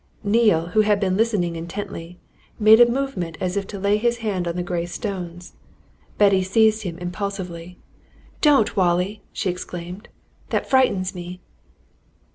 Neale, who had been listening intently, made a movement as if to lay his hand on the grey stones. Betty seized him impulsively. "Don't, Wallie!" she exclaimed. "That frightens me!"